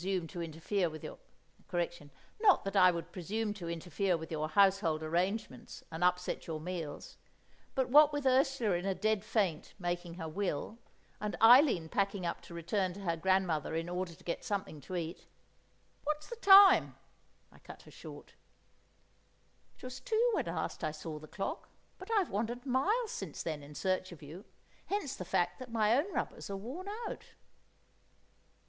Not that I would presume to interfere with your household arrangements and upset your meals, but what with Ursula in a dead faint making her will, and Eileen packing up to return to her grandmother in order to get something to eat——" "What's the time?" I cut her short. "It was two when last I saw the clock, but I've wandered miles since then in search of you, hence the fact that my own rubbers are worn out."